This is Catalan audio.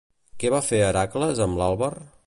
Què va fer Hèracles amb l'àlber?